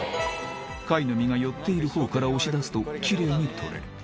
貝の身が寄っているほうから押し出すときれいに取れる